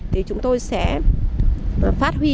thì chúng tôi sẽ phát huy